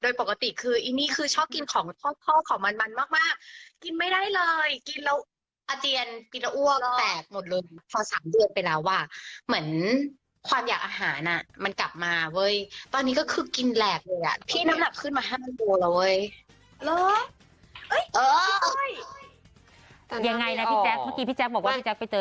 ยังไงนะพี่แจ๊กพี่แจ๊กบอกว่าพี่แจ๊กไปเจออย่างไรนะ